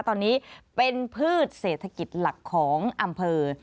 ตอนนี้เป็นพืชเศรษฐกิจหลักของอำเภอ